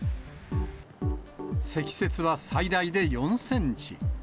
積雪は最大で４センチ。